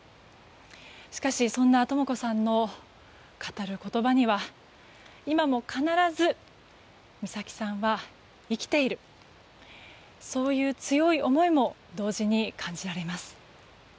しかし、そんなとも子さんの語る言葉には今も必ず美咲さんは、生きているそういう強い思いも同時に感じられます。